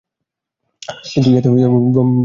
কিন্তু ইহাতে ব্রহ্মের স্বরূপে কোন বিকার উপস্থিত হয় নাই।